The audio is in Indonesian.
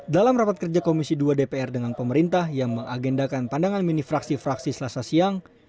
dalam rapat kerja komisi dua dpr dengan pemerintah yang mengagendakan pandangan mini fraksi fraksi selasa siang